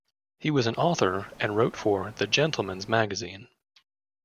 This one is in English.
He was an author and wrote for "The Gentleman's Magazine".